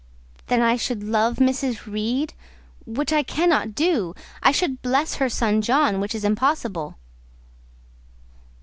"Then I should love Mrs. Reed, which I cannot do; I should bless her son John, which is impossible."